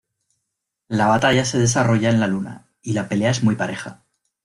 La batalla se desarrolla en la luna y la pelea es muy pareja.